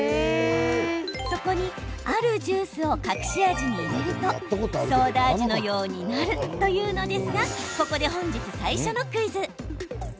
そこに、あるジュースを隠し味に入れるとソーダ味のようになるというのですがここで本日最初のクイズ。